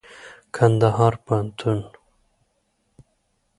کنــدهـــار پوهنـتــون